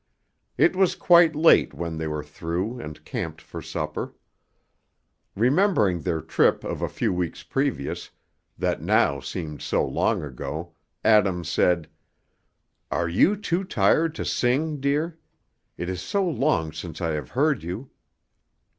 It was quite late when they were through and camped for supper. Remembering their trip of a few weeks previous, that now seemed so long ago, Adam said, "Are you too tired to sing, dear? It is so long since I have heard you."